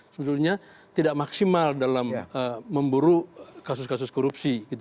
sebetulnya tidak maksimal dalam memburu kasus kasus korupsi